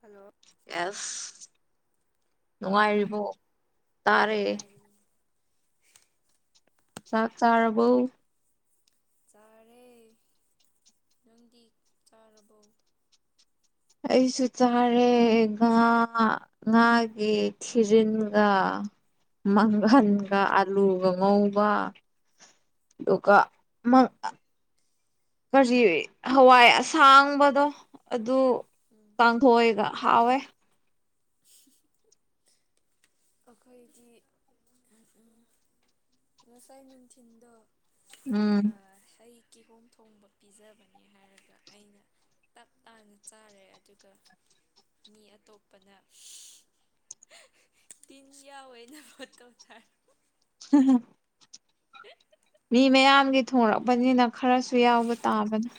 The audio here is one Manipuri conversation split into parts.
ꯍꯜꯂꯣ ꯑꯦꯁ ꯇꯥꯔꯕꯣ ꯅꯨꯡꯉꯥꯏꯔꯤꯕꯣ ꯇꯥꯔꯦ ꯅꯨꯡꯉꯥꯏꯔꯤ ꯆꯥꯛ ꯆꯥꯔꯕꯣ ꯆꯥꯔꯦ ꯅꯪꯗꯤ ꯆꯥꯔꯕꯣ ꯑꯩꯁꯨ ꯆꯥꯔꯦ ꯉꯥ ꯉꯥꯒꯤ ꯊꯤꯔꯤꯟꯒ ꯎꯝ ꯃꯪꯒꯟꯒ ꯑꯥꯂꯨꯒ ꯉꯧꯕ ꯑꯗꯨꯒ ꯀꯔꯤ ꯍꯋꯥꯏ ꯑꯁꯥꯡꯕꯗꯣ ꯑꯗꯨ ꯎꯝ ꯄꯥꯡꯈꯣꯦꯒ ꯍꯥꯎꯣꯏ [inaudible] [unintelligible] ꯑꯩꯈꯣꯏꯗꯤ ꯉꯁꯥꯏ ꯅꯨꯡꯊꯤꯜꯗꯣ ꯎꯝ ꯑ ꯍꯩ ꯀꯤꯍꯣꯝ ꯊꯣꯡꯕ ꯄꯤꯖꯕꯅꯦ ꯍꯥꯏꯔꯒ ꯑꯩꯅ ꯇꯞ ꯇꯥꯟ ꯆꯥꯔꯦ ꯑꯗꯨꯒ ꯃꯤ ꯑꯇꯣꯞꯄꯅ ꯇꯤꯟ ꯌꯥꯎꯋꯦꯅ ꯐꯣꯇꯣ ꯊꯥꯏ ꯍꯝ [inaudible] ꯃꯤ ꯃꯌꯥꯝꯒꯤ ꯊꯣꯡꯂꯛꯄꯅꯤꯅ ꯈꯔꯁꯨ ꯌꯥꯎꯕ ꯇꯥꯕꯅꯦ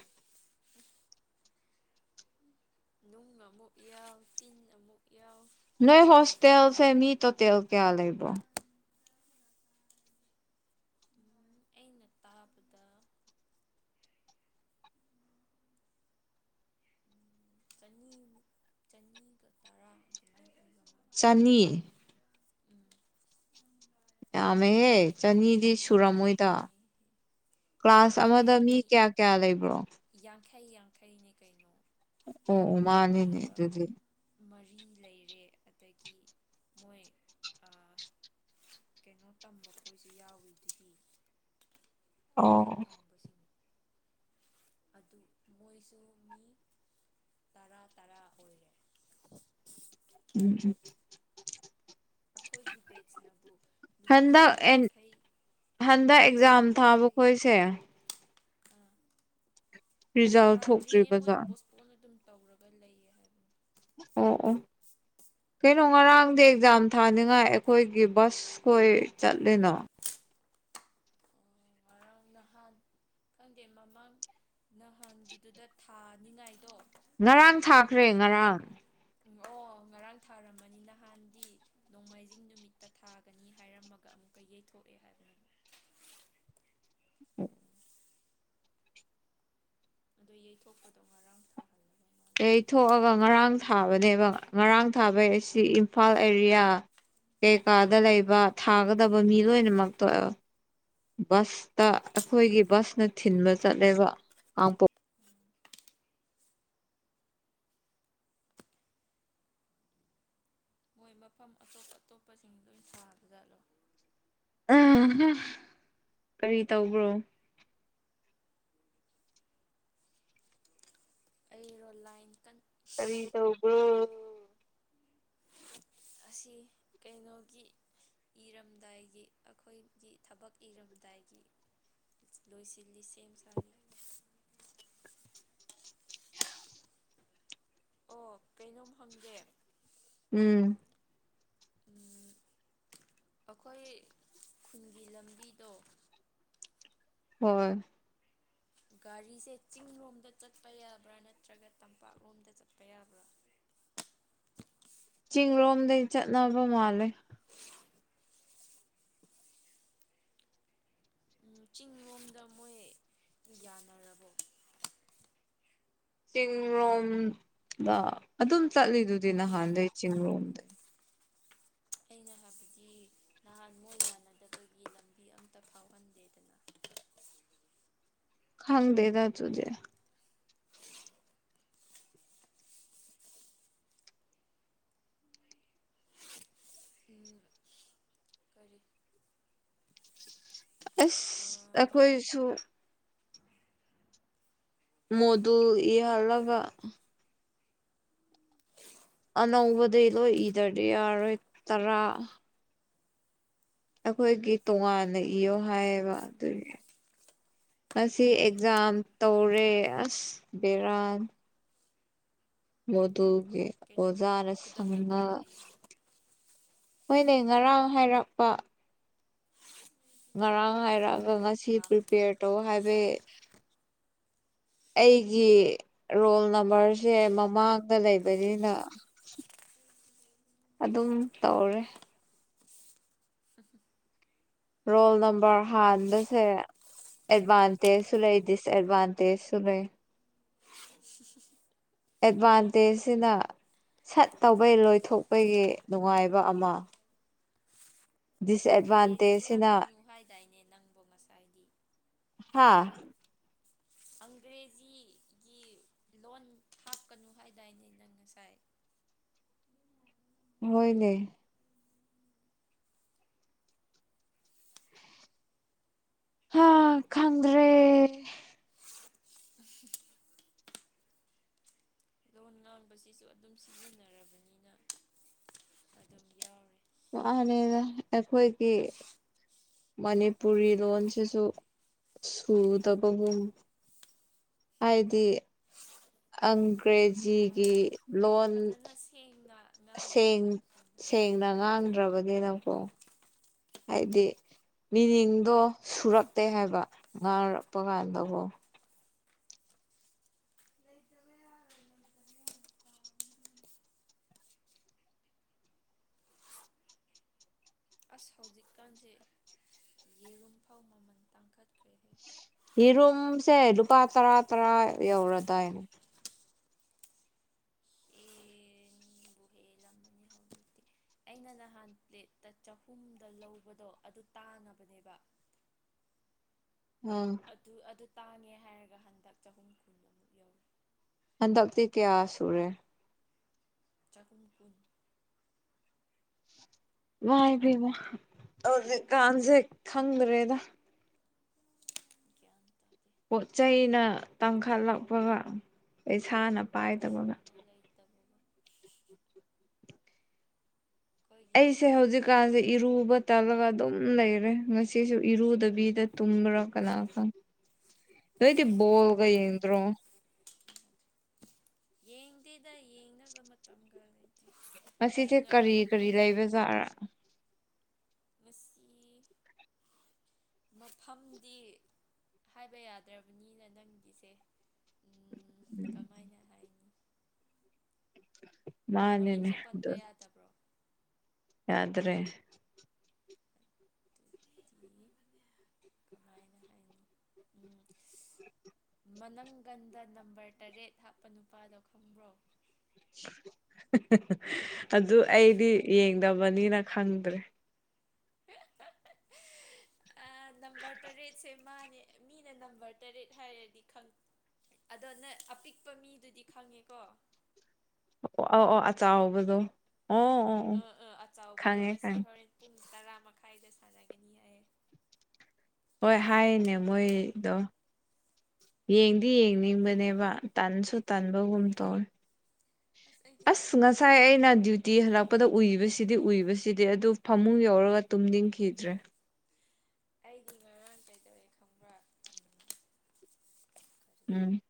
ꯅꯨꯡ ꯑꯃꯨꯛ ꯌꯥꯎ ꯇꯤꯟ ꯑꯃꯨꯛ ꯌꯥꯎ ꯅꯣꯏ ꯍꯣꯁꯇꯦꯜꯁꯦ ꯃꯤ ꯇꯣꯇꯦꯜ ꯀꯌꯥ ꯂꯩꯕ ꯑꯩꯅ ꯇꯥꯕꯗ ꯆꯅꯤꯃꯨꯛ ꯆꯅꯤꯒ ꯇꯔꯥ ꯑꯗꯨꯃꯥꯏꯅ ꯑꯣꯢꯕ ꯆꯅꯤ ꯌꯥꯝꯃꯦꯍꯦ ꯆꯅꯤ ꯗꯤ ꯁꯨꯔꯝꯃꯣꯏꯗ ꯌꯥꯝꯕꯅꯤ ꯀ꯭ꯂꯥꯁ ꯑꯃꯗ ꯃꯤ ꯀꯌꯥ ꯀꯌꯥ ꯂꯩꯕ꯭ꯔꯣ ꯌꯥꯡꯈꯩ ꯌꯥꯡꯈꯩꯅꯦ ꯀꯩꯅꯣ ꯑꯣ ꯑꯣ ꯃꯥꯅꯤꯅꯦ ꯑꯗꯨꯒ ꯑꯗꯨꯗꯤ ꯃꯔꯤ ꯂꯩꯔꯦ ꯑꯗꯒꯤ ꯃꯣꯏ ꯀꯩꯅꯣ ꯇꯝꯕ ꯈꯣꯏꯁꯨ ꯌꯥꯎꯏ ꯑꯗꯨꯗꯤ ꯃꯊꯛ ꯑꯣ ꯊꯪꯕꯁꯤꯡ ꯑꯗꯨ ꯃꯣꯏꯁꯨ ꯃꯤ ꯇꯔꯥ ꯇꯔꯥ ꯑꯣꯏꯔꯦ ꯎꯝ [inaudible] ꯑꯩꯈꯣꯏꯒꯤ ꯕꯦꯠꯁꯅꯕꯨ ꯅꯨꯄꯤ ꯍꯟꯗꯛ ꯑꯦꯟ ꯌꯥꯡꯈꯩ ꯍꯟꯗꯛ ꯑꯦꯛꯖꯥꯝ ꯊꯥꯕ ꯈꯣꯏꯁꯦ ꯎꯝ ꯔꯤꯖꯜ ꯊꯥꯗ꯭ꯔꯤꯌꯦ ꯃꯣꯏ ꯊꯣꯛꯇ꯭ꯔꯤꯕꯖꯥꯠ ꯄꯣ ꯀꯣꯜ ꯑꯗꯨꯝ ꯇꯧꯔꯒ ꯂꯩꯌꯦ ꯍꯥꯏꯕ ꯑꯣ ꯑꯣ ꯀꯩꯅꯣ ꯉꯔꯥꯡꯗꯤ ꯑꯦꯛꯖꯥꯝ ꯊꯥꯅꯤꯡꯉꯥꯏ ꯑꯩꯈꯣꯏꯒꯤ ꯕꯁ ꯈꯣꯏ ꯆꯠꯂꯤꯅꯣ ꯑꯣ ꯉꯔꯥꯡ ꯅꯍꯥꯟ ꯈꯪꯗꯦ ꯃꯃꯥꯡ ꯅꯍꯥꯟꯒꯤꯗꯨꯗ ꯊꯥꯅꯤꯡꯉꯥꯏꯗꯣ ꯉꯔꯥꯡ ꯊꯥꯈ꯭ꯔꯦ ꯉꯔꯥꯡ ꯎꯝ ꯑꯣ ꯉꯔꯥꯡ ꯊꯥꯔꯝꯃꯅꯤ ꯅꯍꯥꯟꯗꯤ ꯅꯣꯡꯃꯥꯏꯖꯤꯡ ꯅꯨꯃꯤꯠꯇ ꯊꯥꯒꯅꯤ ꯍꯥꯏꯔꯝꯃꯒ ꯑꯃꯨꯛꯀ ꯌꯩꯊꯣꯛꯑꯦ ꯍꯥꯏꯕꯅꯦ ꯎ [inaudible] ꯑꯗꯣ ꯌꯩꯊꯣꯛꯄꯗꯣ ꯉꯔꯥꯡ ꯊꯥꯍꯜꯂꯦ ꯌꯩ ꯊꯣꯛꯑꯒ ꯉꯔꯥꯡ ꯊꯥꯕꯅꯦꯕ ꯉꯔꯥꯡ ꯊꯥꯕꯩ ꯑꯁꯤ ꯏꯝꯐꯥꯜ ꯑꯦꯔꯤꯌꯥ ꯀꯩ ꯀꯥꯗ ꯂꯩꯕ ꯊꯥꯒꯗꯕ ꯃꯤ ꯂꯣꯏꯅꯃꯛꯇꯣ ꯕꯁꯇ ꯑꯩꯈꯣꯏꯒꯤ ꯕꯁꯅ ꯊꯤꯟꯕ ꯆꯠꯂꯦꯕ ꯀꯥꯡꯄꯣꯛ [inaudible] ꯃꯣꯏ ꯃꯐꯝ ꯑꯇꯣꯞ ꯑꯇꯣꯞꯄꯁꯤꯡ ꯂꯣꯏ ꯁꯥꯕ ꯖꯥꯠꯂꯣ ꯑ ꯀꯔꯤ ꯇꯧꯕ꯭ꯔꯣ ꯑꯩꯔꯣ ꯂꯥꯏꯟ ꯀꯟ ꯀꯔꯤ ꯇꯧꯕ꯭ꯔꯣ ꯑꯁꯤ ꯀꯩꯅꯣꯒꯤ ꯏꯔꯝꯗꯥꯏꯒꯤ ꯑꯩꯈꯣꯏꯒꯤ ꯊꯕꯛ ꯏꯔꯝꯗꯥꯏꯒꯤ ꯂꯣꯏꯁꯤꯜꯂꯤ ꯁꯦꯝ ꯁꯥꯔꯤ ꯑꯣ ꯀꯩꯅꯣꯝ ꯍꯪꯗꯦ ꯎꯝ ꯑꯩꯈꯣꯏ ꯈꯨꯟꯒꯤ ꯂꯝꯕꯤꯗꯣ ꯍꯣꯏ ꯒꯥꯔꯤꯁꯦ ꯆꯤꯡ ꯂꯣꯝꯗ ꯆꯠꯄ ꯌꯥꯕ꯭ꯔꯥ ꯅꯠꯇ꯭ꯔꯒ ꯇꯝꯄꯥꯛꯂꯣꯝꯗ ꯆꯠꯄ ꯌꯥꯕ꯭ꯔꯥ ꯆꯤꯡ ꯂꯣꯝꯗꯩ ꯆꯠꯅꯕ ꯃꯥꯜꯂꯦ ꯆꯤꯡ ꯂꯣꯝꯗ ꯃꯣꯏ ꯌꯥꯅꯔꯕꯣ ꯆꯤꯡꯡꯂꯣꯝꯗ ꯑꯗꯨꯝ ꯆꯠꯂꯤꯗꯨꯗꯤ ꯅꯍꯥꯟꯗꯩ ꯆꯤꯡꯔꯣꯝꯗꯩ ꯑꯩꯅ ꯍꯥꯏꯕꯗꯤ ꯅꯍꯥꯟ ꯃꯣꯏ ꯀꯥꯟꯅꯗꯕꯒꯤ ꯂꯝꯕꯤ ꯑꯃꯝꯇ ꯐꯥꯎꯍꯟꯗꯦꯗꯅ ꯈꯪꯗꯦꯗ ꯗꯨꯗꯤ ꯀꯔꯤ ꯑꯁ ꯑꯥ ꯑꯩꯈꯣꯏꯁꯨ ꯃꯣꯗꯨꯜ ꯏꯍꯜꯂꯒ ꯑꯅꯧꯕꯗꯩ ꯂꯣꯏ ꯏꯗ꯭ꯔꯗꯤ ꯌꯥꯔꯣꯏ ꯇꯔꯥ ꯑꯩꯈꯣꯏꯒꯤ ꯇꯣꯉꯥꯟꯅ ꯏꯌꯣ ꯍꯥꯏꯌꯦꯕ ꯑꯗꯨꯒꯤ ꯉ ꯑꯦꯛꯖꯥꯝ ꯇꯧꯔꯦ ꯑꯁ ꯕꯦꯔꯥꯟ ꯃꯗꯨꯒꯦ ꯀꯩꯅꯣ ꯑꯣꯖꯥꯔ ꯈꯨꯗꯛꯇ ꯁꯅ ꯇꯧꯔꯤ ꯃꯣꯏꯅꯦ ꯉꯔꯥꯡ ꯍꯥꯏꯔꯛꯄ ꯉꯔꯥꯡ ꯑꯗꯨꯒ ꯍꯥꯏꯔꯛꯑꯒ ꯑꯗꯨꯝ ꯉꯁꯤ ꯐꯥꯍꯟꯕ ꯄ꯭ꯔꯤꯄꯦꯌꯔ ꯇꯧ ꯍꯥꯏꯕꯩ ꯑꯩꯒꯤ ꯔꯣꯜ ꯅꯝꯕꯔꯁꯦ ꯃꯃꯥꯡꯗ ꯂꯩꯕꯅꯤꯅ ꯑꯗꯨꯝ ꯇꯧꯔꯦ ꯍ ꯔꯣꯜ ꯅꯝꯕꯔ ꯍꯥꯟꯕꯁꯦ ꯑꯦꯗꯚꯥꯟꯇꯦꯖꯁꯨ ꯂꯩ ꯗꯤꯁꯑꯦꯗꯕꯥꯥꯟꯇꯦꯖ ꯁꯨ ꯂꯩ [inaudible] ꯑꯦꯠꯚꯥꯟꯇꯦꯖꯁꯤꯅ ꯁꯠ ꯇꯧꯕꯩ ꯂꯣꯏꯊꯣꯛꯄꯒꯤ ꯅꯨꯡꯉꯥꯏꯕ ꯑꯃ ꯑꯪꯒ꯭ꯔꯦꯖꯤ ꯗꯤꯁꯑꯦꯗꯚꯥꯟꯇꯦꯖꯁꯤꯅ ꯍꯥꯞꯀꯅꯨ ꯍꯥꯏꯗꯥꯏꯅꯦ ꯅꯪꯕꯨ ꯉꯁꯥꯏꯗꯤ ꯍꯥꯥ ꯑꯪꯒ꯭ꯔꯦꯖꯤꯒꯤ ꯂꯣꯟ ꯍꯥꯞꯀꯅꯨ ꯍꯥꯏꯗꯥꯏꯅꯦ ꯅꯪ ꯉꯁꯥꯏ ꯍꯣꯏꯅꯦ ꯍꯥ ꯈꯪꯗ꯭ꯔꯦ [inaudible] ꯂꯣꯟ ꯉꯥꯡꯕꯁꯤꯁꯨ ꯑꯗꯨꯝ ꯁꯤꯖꯤꯟꯅꯔꯕꯅꯤꯅ ꯑꯗꯨꯝ ꯌꯥꯎꯔꯦ ꯃꯥꯅꯦꯅ ꯑꯩꯈꯣꯏ ꯃꯌꯥꯝꯁꯦ ꯑꯩꯈꯣꯏꯒꯤ ꯃꯅꯤꯄꯨꯔꯤ ꯂꯣꯟꯁꯤꯁꯨ ꯁꯨꯗꯕꯒꯨꯝ ꯍꯥꯏꯗꯤ ꯑꯪꯒ꯭ꯔꯦꯖ ꯖꯤꯒꯤ ꯃꯥꯅꯤ ꯂꯣꯟ ꯐꯖꯅ ꯁꯦꯡꯅ ꯉꯥꯡꯒꯦ ꯁꯦꯡ ꯍꯥꯏꯔ ꯀꯥꯟꯗ ꯁꯦꯡꯅ ꯉꯝꯗꯕꯅꯤ ꯉꯥꯡꯗ꯭ꯔꯕꯅꯤꯅ [unintelligible] ꯎꯝ ꯍꯥꯏꯗꯤ ꯃꯤꯅꯤꯡꯗꯣ ꯁꯨꯔꯛꯇꯦ ꯍꯥꯏꯕ ꯉꯥꯡꯔꯛꯄ ꯍꯣꯏ ꯀꯥꯟꯗꯀꯣ ꯂꯩꯇꯕ ꯌꯥꯔꯣꯏ ꯂꯩꯇꯕꯦ ꯑꯁ ꯍꯧꯖꯤꯛꯀꯥꯟꯁꯦ ꯌꯦꯔꯨꯝꯐꯥꯎ ꯃꯃꯜ ꯇꯥꯡꯈꯠꯈ꯭ꯔꯦꯍꯦ ꯌꯦꯔꯣꯝꯁꯦ ꯂꯨꯄꯥ ꯇꯔꯥ ꯇꯔꯥ ꯌꯧꯔꯗꯥꯏꯅꯦ ꯑꯦꯕꯨ ꯍꯦ ꯂꯝ ꯃꯅꯤ ꯍꯧꯇꯦ ꯑꯩꯅ ꯅꯍꯥꯟ ꯄ꯭ꯂꯦꯠꯇ ꯆꯍꯨꯝꯗ ꯂꯧꯕꯗꯣ ꯑꯗꯨ ꯇꯥꯡꯉꯅꯕꯅꯦꯕ ꯑꯣ ꯑꯗꯨ ꯑꯗꯨ ꯇꯥꯡꯉꯦ ꯍꯥꯏꯔꯒ ꯍꯟꯗꯛ ꯆꯍꯨꯝ ꯀꯨꯟꯃꯨꯛ ꯌꯧꯏꯤ ꯍꯟꯗꯛꯇꯤ ꯀꯌꯥ ꯁꯨꯔꯦ ꯆꯥꯛꯒꯨꯝ ꯀꯨꯟ ꯃꯥꯏꯕꯤꯕ ꯍꯧꯖꯤꯛꯀꯥꯟꯁꯦ ꯈꯪꯗ꯭ꯔꯦꯗ ꯒ꯭ꯌꯥꯟ ꯇꯥꯗꯦ ꯄꯣꯠ ꯆꯩꯩꯅ ꯇꯥꯡꯈꯠꯂꯛꯄꯒ ꯄꯩꯁꯥꯅ ꯄꯥꯏꯗꯕꯒ ꯂꯩꯇꯕꯕ ꯑꯩꯈꯣꯏꯒꯤ ꯑꯩꯁꯦ ꯄꯨꯟꯁꯤꯁꯦ ꯍꯧꯖꯤꯛꯀꯥꯟꯁꯤ ꯏꯔꯨꯕ ꯇꯜꯂꯒ ꯑꯗꯨꯝ ꯂꯩꯔꯦ ꯉꯁꯤꯁꯨ ꯏꯔꯨꯗꯕꯤꯗ ꯇꯨꯝꯕ꯭ꯔꯥ ꯀꯅꯥ ꯀ ꯅꯣꯏꯗꯤ ꯑꯩꯗꯤ ꯣꯜꯒ ꯏꯔꯨꯗ꯭ꯔꯗꯤ ꯌꯦꯟ꯭ꯔꯣ ꯌꯦꯡꯗꯦꯗ ꯌꯦꯡꯅꯕ ꯃꯇꯝꯒꯔ ꯂꯩ ꯃꯁꯤꯁꯦ ꯀꯔꯤ ꯀꯔꯤ ꯂꯩꯕ ꯖꯥꯠꯔꯥ ꯃꯁꯤ ꯃꯐꯝꯗꯤ ꯍꯥꯏꯕ ꯌꯥꯗ꯭ꯔꯕꯅꯤꯅ ꯅꯪꯒꯤꯁꯦ ꯀꯃꯥꯏꯅ ꯍꯥꯏꯅꯤ ꯃꯥꯅꯦꯅꯦ ꯑꯗꯨ ꯠꯇ꯭ꯔꯣ ꯌꯥ꯭ꯔꯦ ꯑꯗꯨꯤ ꯀꯃꯥꯏꯅ ꯍꯥꯏꯅꯤ ꯃꯅꯪꯒꯟꯗ ꯅꯝꯕꯔ ꯇꯔꯦꯠ ꯍꯥꯞꯄ ꯅꯨꯄꯥꯗꯣ ꯈꯪꯕ꯭ꯔꯣ ꯑꯗꯨ ꯑꯩꯗꯤ ꯌꯦꯡꯗꯕꯅꯤꯅ ꯈꯪꯗ꯭ꯔꯦ ꯅꯝꯕꯔ ꯇꯔꯦꯠꯁꯦ ꯃꯥꯅꯦ ꯃꯤꯅ ꯅꯝꯕꯔ ꯇꯔꯦꯠ ꯍꯥꯏꯔꯗꯤ ꯈꯪ ꯑꯗꯣ ꯅ ꯑꯄꯤꯛꯄ ꯃꯤꯗꯨꯗꯤ ꯈꯪꯉꯦꯀꯣ ꯑꯣ ꯑ ꯑꯣ ꯑꯆꯕꯗꯣ ꯑꯣ ꯑꯣ ꯑꯣ ꯑꯥ ꯑꯥ ꯑꯆꯥꯎꯕꯗꯣ ꯈꯪꯉꯦ ꯉ ꯈꯪꯉꯦ ꯍꯣꯔꯦꯟ ꯄꯨꯡ ꯇꯔꯥ ꯃꯈꯥꯏꯗ ꯁꯥꯟꯅꯒꯅꯤ ꯍꯥꯏꯌꯦ ꯍꯣꯏ ꯍꯥꯏꯅꯦ ꯃꯣꯏꯗꯣ ꯌꯦꯡꯗꯤ ꯌꯦꯡꯅꯤꯡꯕꯅꯦꯕ ꯇꯟꯁꯨ ꯇꯟꯕꯒꯨꯝ ꯇꯧꯔ ꯑꯩꯗꯤ ꯑꯁ ꯉꯝꯃꯣꯏ ꯉꯁꯥꯏꯅ ꯇꯤ ꯍꯜꯂꯛꯄꯗ ꯎꯏꯕꯁꯤꯗꯤ ꯎꯏꯕꯁꯤꯗꯤ ꯑꯗꯨ ꯐꯃꯨꯡ ꯌꯧꯔꯒ ꯇꯨꯝꯅꯤꯡꯈꯤꯗ꯭ꯔꯦ ꯑꯩꯗꯤ ꯉꯔꯥꯡ ꯀꯩꯗꯧꯋꯦ ꯈꯪꯕ꯭ꯔꯥ ꯎꯝ ꯀꯔꯤ ꯎꯝ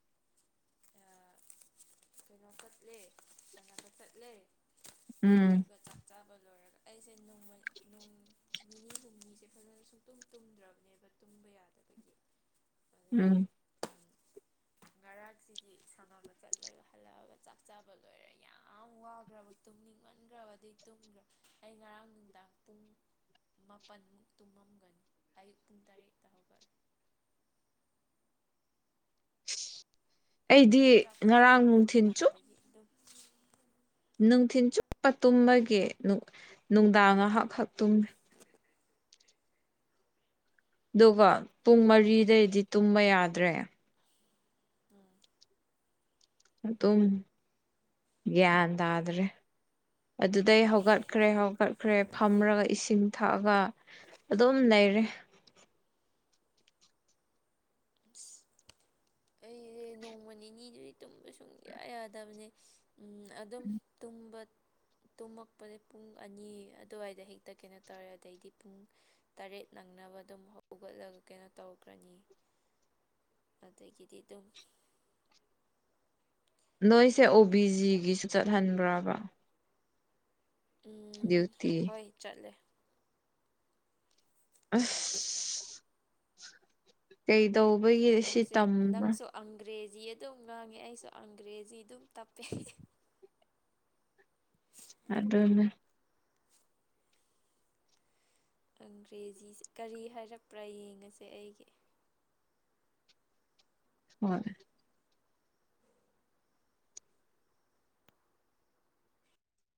ꯀꯩꯅꯣ ꯆꯠꯂꯦ ꯁꯥꯟꯅꯅꯕ ꯆꯠꯂꯦ ꯎꯝ ꯑꯗꯨꯒ ꯆ ꯆꯥꯕ ꯂꯣꯏꯔꯒ ꯑꯩꯁꯦ ꯅꯣꯡꯃ ꯅꯣꯡ ꯅꯤꯅꯤ ꯍꯨꯝꯅꯤꯁꯦ ꯐꯖꯅ ꯁꯨꯡꯛꯇꯨꯝ ꯇꯨꯝꯗ꯭ꯔꯕꯅꯦꯕ ꯇꯨꯝꯕ ꯌꯥꯗꯕꯒꯤ ꯑꯗꯨꯒ ꯎꯝ ꯉꯔꯥꯛꯁꯤ ꯍꯥꯏ ꯁꯥꯟꯅꯕ ꯆꯠꯂ ꯍꯜꯂꯛꯑꯒ ꯆꯥꯛ ꯆꯥꯕ ꯂꯣꯏꯔꯦ ꯌꯥꯝ ꯋꯥꯈ꯭ꯔꯕ ꯇꯨꯝꯅꯤꯡꯍꯟꯈ꯭ꯔꯕꯗꯤ ꯑꯩ ꯉꯔꯥꯡ ꯅꯨꯡꯗꯥꯡ ꯄꯨꯡ ꯃꯥꯄꯜꯃꯨꯛ ꯇꯨꯝꯃꯝꯒꯅꯤ ꯑꯌꯨꯛ ꯄꯨꯡ ꯇꯔꯦꯠꯇ ꯍꯧꯒꯠꯂꯨ ꯑꯩꯗꯤ ꯑꯗꯨꯝ ꯆꯥꯛ ꯆꯥꯕ ꯉꯔꯥꯡ ꯅꯨꯡꯊꯤꯟ ꯂꯣꯏꯕꯗꯒꯤ ꯑꯗꯨꯝ ꯅꯨꯡꯊꯤꯤꯟ ꯆꯨꯞꯄ ꯇꯨꯝꯃꯒꯤꯦ ꯅꯨꯡꯗꯥꯡ ꯉꯥꯏꯍꯥꯛꯛꯨꯝꯃꯤ ꯑꯗꯨꯒ ꯄꯨꯡ ꯃꯔꯤꯗꯩꯗꯤ ꯇꯨꯝꯕ ꯌꯥꯗ꯭ꯔꯦ ꯑꯝ ꯑꯗꯨꯝ ꯒ꯭ꯌꯥꯟ ꯇꯥꯗ꯭ꯔꯦ ꯑꯗꯨꯗꯩ ꯍꯧꯒꯠꯈ꯭ꯔꯦ ꯍꯧꯒꯠꯈ꯭ꯔꯦ ꯐꯝꯔꯒ ꯏꯁꯤꯡ ꯊꯛꯑꯒ ꯑꯗꯨꯝ ꯂꯩꯔꯦ ꯑꯁ ꯑꯩꯁꯦ ꯅꯣꯡꯃ ꯅꯤꯅꯤꯗꯨꯗꯤ ꯇꯨꯝꯕ ꯁꯨꯡꯌꯥ ꯌꯥꯗꯕꯅꯦ ꯑꯗꯨꯝ ꯇꯨꯝꯕ ꯇꯨꯝꯃꯛꯄꯁ ꯄꯨꯡ ꯑꯅꯤ ꯑꯗꯨꯋꯥꯏꯗ ꯍꯦꯛꯇ ꯀꯩꯅꯣ ꯇꯧꯔꯦ ꯑꯗꯩꯗꯤ ꯄꯨꯡ ꯇꯔꯦꯠ ꯅꯪꯅꯕ ꯑꯗꯨꯝ ꯍꯧꯒꯠꯂꯒ ꯀꯩꯅꯣ ꯇꯧꯈ꯭ꯔꯅꯤ ꯑꯗꯒꯤꯗꯤ ꯑꯗꯨꯝ ꯅꯣꯏꯁꯦ ꯑꯣ ꯕꯤ ꯖꯤꯒꯤꯁꯨ ꯆꯠꯍꯟꯕ꯭ꯔꯕ ꯎꯝ ꯗ꯭ꯌꯨꯇꯤ ꯍꯣꯏ ꯆꯠꯂꯦ ꯑꯁ ꯀꯩꯗꯧꯕꯒꯤ ꯁꯤ ꯅꯪꯁꯦ ꯇꯝꯕ ꯅꯪꯁꯨ ꯑꯪꯒ꯭ꯔꯦꯖꯤ ꯑꯗꯨꯝ ꯉꯥꯡꯉꯦ ꯑꯩꯁꯨ ꯑꯪꯒ꯭ꯔꯦꯖꯤ ꯑꯗꯨꯝ ꯇꯞꯄꯦ ꯑꯗꯨꯅ ꯑꯪꯒ꯭ꯔꯦꯖꯤꯁꯦ ꯀꯔꯤ ꯍꯥꯏꯔꯛꯄ꯭ꯔꯥ ꯌꯦꯡꯉꯁꯦ ꯑꯩꯒꯤ ꯍꯣꯏ